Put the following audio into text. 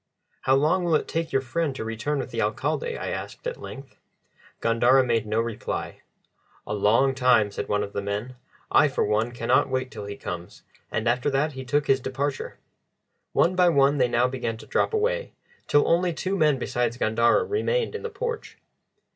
"How long will it take your friend to return with the Alcalde?" I asked at length. Gandara made no reply. "A long time," said one of the other men. "I, for one, cannot wait till he comes," and after that he took his departure. One by one they now began to drop away, till only two men besides Gandara remained in the porch.